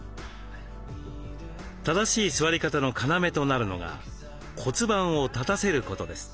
正しい座り方の要となるのが骨盤を立たせることです。